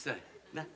なっ。